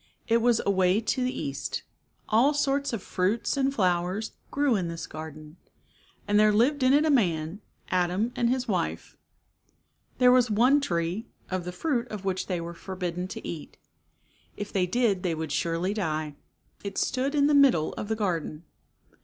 It was away to the east. All sorts of fruits and flowers grew in this garden. And there lived in it a man, Adam, and his wife. 31 There was one tree, of the fruit of which they were forbidden to eat. If they did they would surely die. It stood in the middle of the garden.